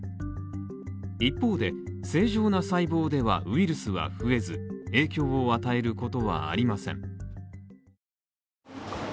一方で、正常な細胞ではウイルスは増えず影響を与えることはありません。